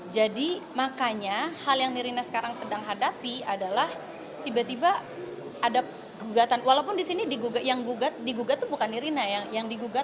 jadi makanya hal yang nirina sekarang sedang hadapi adalah tiba tiba ada gugatan walaupun disini yang digugat itu bukan nirina